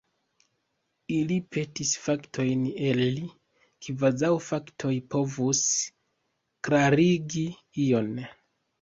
Ili petis faktojn el li, kvazaŭ faktoj povus klarigi ion!